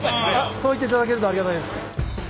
そう言っていただけるとありがたいです。